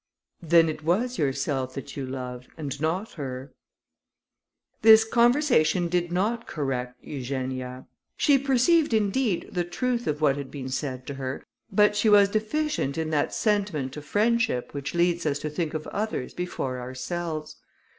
"Then it was yourself that you loved, and not her." This conversation did not correct Eugenia. She perceived, indeed, the truth of what had been said to her, but she was deficient in that sentiment of friendship which leads us to think of others before ourselves.